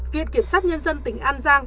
viện kiểm sát nhân dân tỉnh an giang